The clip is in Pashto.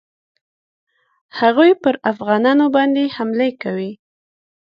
هغوی پر افغانانو باندي حملې کولې.